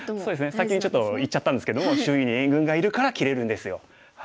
先にちょっと言っちゃったんですけども周囲に援軍がいるから切れるんですよ。